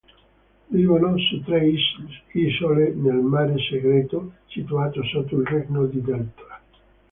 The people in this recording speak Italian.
Vivono su tre isole nel mare segreto situato sotto il regno di Deltora.